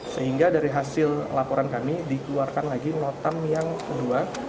sehingga dari hasil laporan kami dikeluarkan lagi notam yang kedua